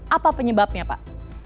apa penyebabnya pak